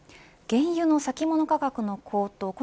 原油の先物価格の高騰